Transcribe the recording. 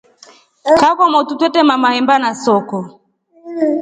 Kaa kwamotu twetema maheba na soko.